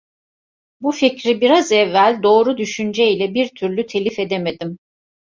Bu fikri biraz evvel doğru düşünce ile bir türlü telif edemedim.